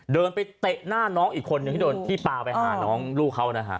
เดินไปเตะหน้าน้องอีกคนนึงที่โดนที่ปลาไปหาน้องลูกเขานะฮะ